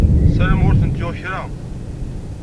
Ssarameɣ ur ten-yuɣ kra.